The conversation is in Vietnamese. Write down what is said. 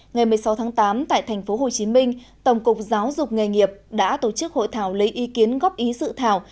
ngày một mươi sáu tháng tám tại thành phố hồ chí minh tổng cục giáo dục nghề nghiệp đã tổ chức hội thảo lấy ý kiến góp ý sự thảo